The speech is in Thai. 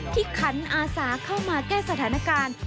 ขันอาสาเข้ามาแก้สถานการณ์